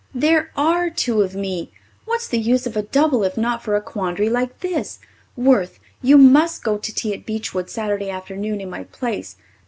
"There are two of me! What's the use of a double if not for a quandary like this! Worth, you must go to tea at Beechwood Saturday afternoon in my place.